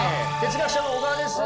哲学者の小川です。